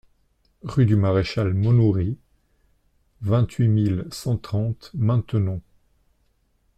Rue du Maréchal Maunoury, vingt-huit mille cent trente Maintenon